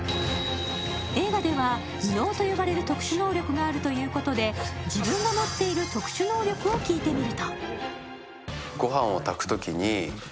映画では異能と呼ばれる特殊能力があるということで、自分が持っている特殊能力を聞いてみるとそして今田さんはパン、パン、パン、パン、パン